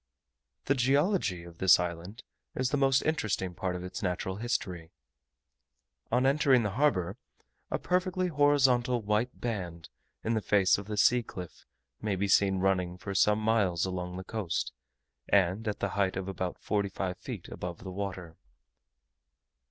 The geology of this island is the most interesting part of its natural history. On entering the harbour, a perfectly horizontal white band, in the face of the sea cliff, may be seen running for some miles along the coast, and at the height of about forty five feet above the water.